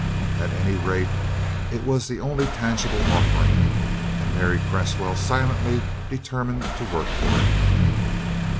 At any rate, it was the only tangible offering, and Mary Cresswell silently determined to work for it.